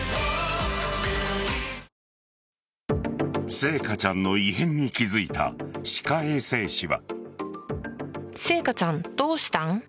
星華ちゃんの異変に気付いた歯科衛生士は。